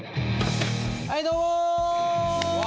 はいどうも！